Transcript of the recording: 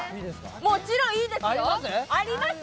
もちろんいいですよ、ありますよ